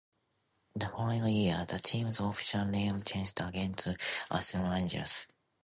The following year, the team's official name changed again to "Anaheim Angels".